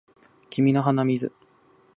君の鼻水